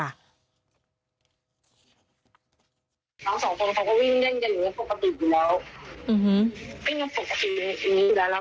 และเพราะว่ามีเหตุมันก็สิเกียร์อยู่แล้วเนอะ